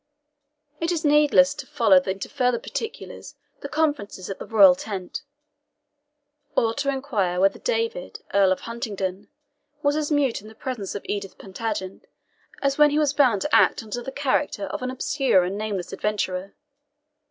It is needless to follow into further particulars the conferences at the royal tent, or to inquire whether David, Earl of Huntingdon, was as mute in the presence of Edith Plantagenet as when he was bound to act under the character of an obscure and nameless adventurer.